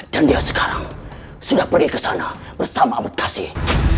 dan dia sekarang sudah pergi ke sana bersama amat kasih